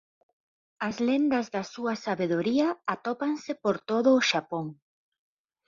As lendas da súa sabedoría atópanse por todo o Xapón.